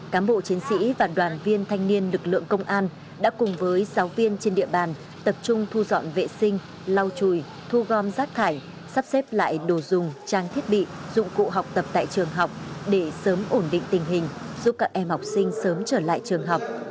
cám bộ chiến sĩ và đoàn viên thanh niên lực lượng công an đã cùng với giáo viên trên địa bàn tập trung thu dọn vệ sinh lau chùi thu gom rác thải sắp xếp lại đồ dùng trang thiết bị dụng cụ học tập tại trường học để sớm ổn định tình hình giúp các em học sinh sớm trở lại trường học